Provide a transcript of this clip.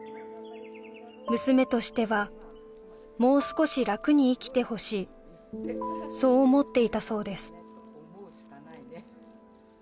娘としてはもう少し楽に生きてほしいそう思っていたそうです